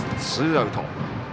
ツーアウト。